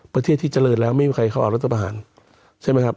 ประเทศที่เจริญแล้วไม่มีใครเข้าออกรัฐประหารใช่ไหมครับ